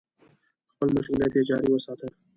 خپل مشغولیت يې جاري وساته.